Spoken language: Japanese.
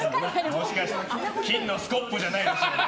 もしかして金のスコップじゃないでしょうね。